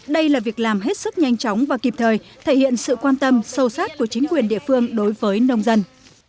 đây là việc làm hết sức nhanh chóng và kịp thời thể hiện sự quan tâm sâu sát của chính quyền địa phương đối với nông dân